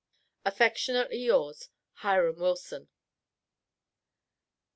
Affectionately yours, HIRAM WILSON.